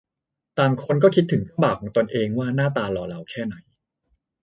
ต่างคนก็คิดถึงเจ้าบ่าวของตนเองว่าหน้าตาหล่อเหลาแค่ไหน